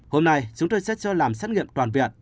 hôm nay chúng tôi sẽ cho làm xét nghiệm toàn viện